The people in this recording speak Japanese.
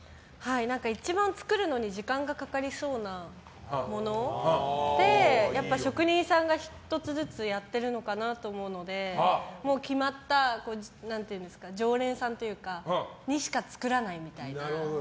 一番、作るのに時間がかかりそうなものでやっぱり職人さんが１つずつやってるのかなと思うので決まった常連さんにしか作らないみたいな。